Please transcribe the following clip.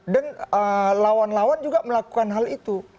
dan lawan lawan juga melakukan hal itu